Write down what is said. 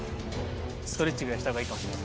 ストレッチぐらいしたほうがいいかもしれない。